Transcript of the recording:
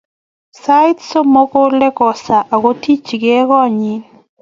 Sait somok kole kosa akotikchikei konyi